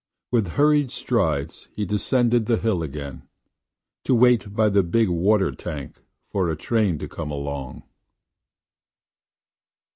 With hurried strides he descended the hill again, to wait by the big water tank for a train to come along.